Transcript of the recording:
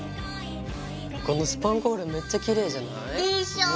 このスパンコールめっちゃきれいじゃない？でしょ！